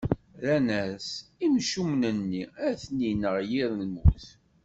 Rran-as: Imcumen-nni, ad ten-ineɣ yir lmut.